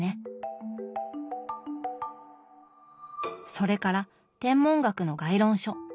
それから天文学の概論書。